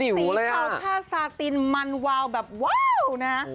สีเทาผ้าซาตินมันวาวแบบว้าวนะฮะ